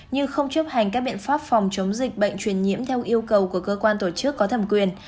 như không chấp hành các biện pháp phòng chống dịch bệnh truyền nhiễm theo yêu cầu của cơ quan tổ chức có thẩm quyền